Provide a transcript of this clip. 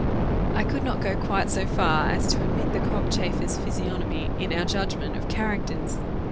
I could not go quite so far as to admit the cockchafer's physiognomy in our judgment of characters.